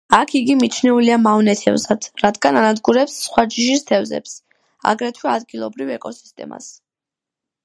აქ იგი მიჩნეულია მავნე თევზად, რადგან ანადგურებს სხვა ჯიშის თევზებს, აგრეთვე ადგილობრივ ეკოსისტემას.